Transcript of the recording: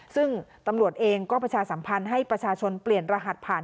ซึ่งตำรวจเองก็ประชาสัมพันธ์ให้ประชาชนเปลี่ยนรหัสผ่าน